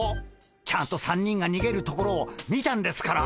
ちゃんと３人がにげるところを見たんですから。